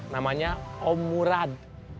namanya om murad